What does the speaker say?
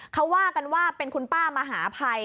เขาว่ากันว่าเป็นคุณป้ามหาภัย